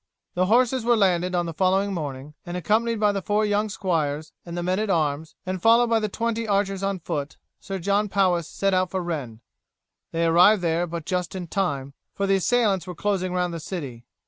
The horses were landed on the following morning, and accompanied by the four young squires and the men at arms, and followed by the twenty archers on foot, Sir John Powis set out for Rennes. They arrived there, but just in time, for the assailants were closing round the city.